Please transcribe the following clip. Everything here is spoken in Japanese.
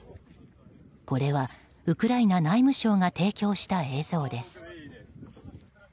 これはウクライナ内務省が提供した映像です。